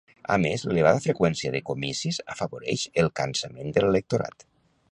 A més, l'elevada freqüència de comicis afavoreix el cansament de l'electorat.